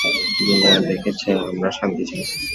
দুনিয়া দেখেছে আমরা শান্তি চাই।